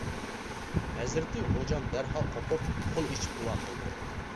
ھەزرىتى خوجام دەرھال قوپۇپ قول ئېچىپ دۇئا قىلدى.